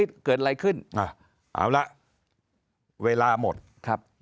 มันเกิดอะไรขึ้นน่ะเอาละเวลาหมดครับ